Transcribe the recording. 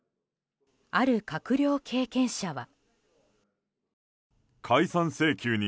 ある閣僚経験者は。